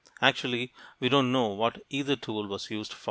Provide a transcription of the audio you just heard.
Actually, we don't know what either tool was used for.